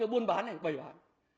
rồi buôn bán hay bày bán